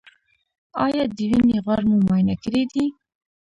ایا د وینې غوړ مو معاینه کړي دي؟